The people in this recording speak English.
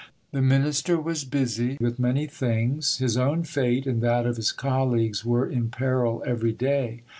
The Minister was busy with many things. His own fate and that of his colleagues were in peril every day.